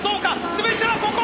全てはここ！